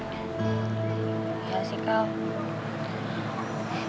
iya sih kau